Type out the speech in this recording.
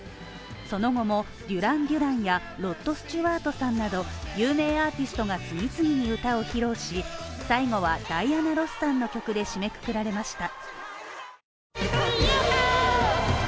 その後も、デュラン・デュランやロッド・スチュワートさんなど有名アーティストが次々に歌を披露し最後はダイアナ・ロスさんの曲で締めくくられました。